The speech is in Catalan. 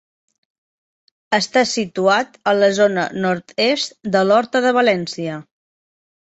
Està situat a la zona nord-est de l'Horta de València.